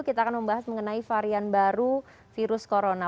kita akan membahas mengenai varian baru virus corona